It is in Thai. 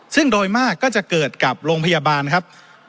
ซึ่งโดยมากก็จะเกิดกับโรงพยาบาลครับ